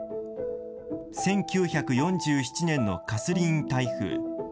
１９４７年のカスリーン台風。